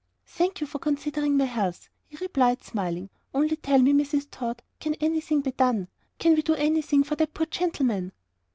"Thank you for considering my health," he replied, smiling. "Only tell me, Mrs. Tod, can anything be done can we do anything for that poor gentleman?"